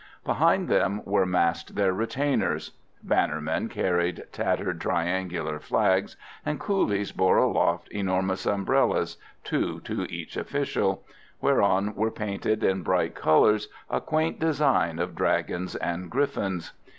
Behind them were massed their retainers. Bannermen carried tattered triangular flags, and coolies bore aloft enormous umbrellas two to each official whereon were painted in bright colours a quaint design of dragons and griffins.